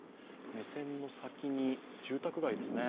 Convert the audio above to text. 目線の先に住宅街ですね。